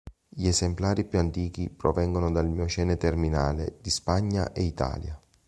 Gli esemplari più antichi provengono dal Miocene terminale di Spagna e Italia.